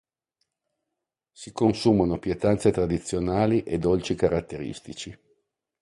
Si consumano pietanze tradizionali e dolci caratteristici.